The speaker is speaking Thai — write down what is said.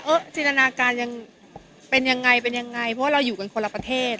จินตนาการยังเป็นยังไงเป็นยังไงเพราะว่าเราอยู่กันคนละประเทศ